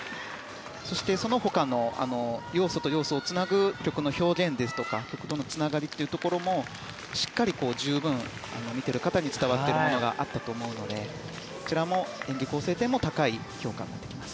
そしてその他の要素と要素をつなぐ曲の表現とか曲とのつながりというのもしっかりと十分見ている方に伝わっているものがあったと思うのでこちらも、演技構成点も高い評価になります。